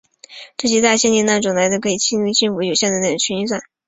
这极大的限定了那种凯莱表可以令人信服的定义有效的群运算。